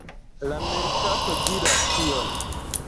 La merkato diras tion.